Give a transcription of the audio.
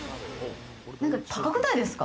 なんか高くないですか？